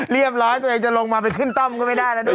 ตัวเองจะลงมาไปขึ้นต้อมก็ไม่ได้แล้วด้วย